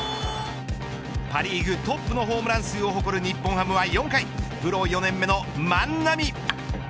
パ・リーグトップのホームラン数を誇る日本ハムは６回プロ４年目の万波。